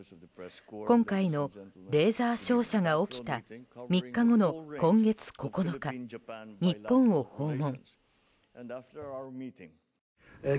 今回のレーザー照射が起きた３日後の今月９日日本を訪問。